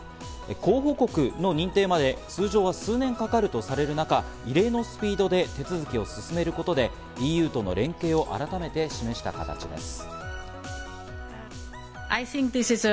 候補国の認定まで通常は数年かかるとされる中、異例のスピードで手続きを進めることでＥＵとの連携を改めて示した形です。